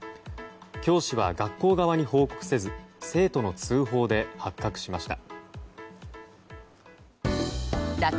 教師は学校側に報告せず生徒の通報で発覚しました。